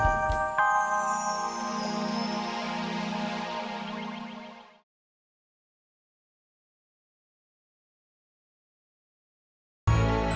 a'a yang paling dalem